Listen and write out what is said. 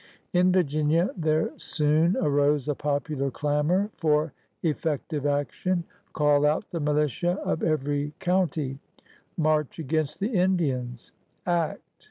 In Virginia there soon arose a popular clamor for effective action. Call out the militia of every county! March against the Indians! Act!